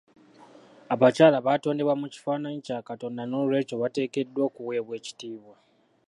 Abakyala baatondebwa mu kifaananyi kya Katonda n'olwekyo bateekeddwa okuweebwa ekitiibwa.